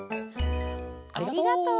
ありがとう。